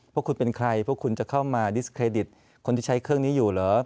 พวกคุณเป็นใครพวกคุณจะเข้ามาดิสเครดิตคนที่ใช้เครื่องนี้อยู่เหรอ